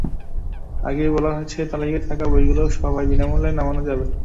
আগেই বলা হয়েছে, তালিকায় থাকা বইগুলো সবই বিনা মূল্যে নামানো যাবে।